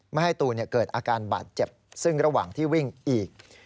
ไม่ให้ตูนเกิดอาการบาดเจ็บซึ่งระหว่างที่วิ่งอีก